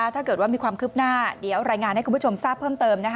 ถ้าเกิดว่ามีความคืบหน้าเดี๋ยวรายงานให้คุณผู้ชมทราบเพิ่มเติม